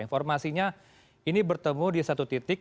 informasinya ini bertemu di satu titik